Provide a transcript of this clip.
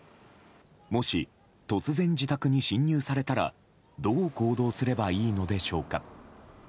もし突然、自宅に侵入されたらどう行動すればいいのでしょうか。